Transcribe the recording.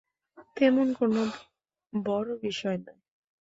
তেমন কোনো বড়ো বিষয় নয়।